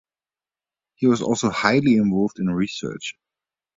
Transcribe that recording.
He was also highly involved in research.